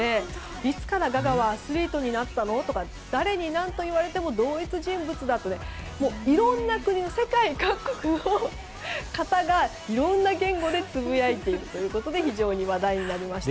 いつからガガはアスリートになったの？とか誰に何と言われても同一人物と世界各国の方がいろんな言語でつぶやいているということで非常に話題になりました。